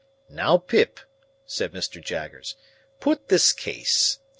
"Now, Pip," said Mr. Jaggers, "put this case.